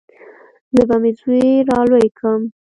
زه به مې زوى رالوى کم.